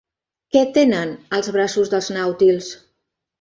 Què tenen els braços dels nàutils?